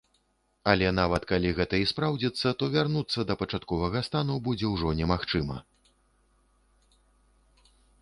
Але нават калі гэта і спраўдзіцца, то вярнуцца да пачатковага стану будзе ўжо немагчыма.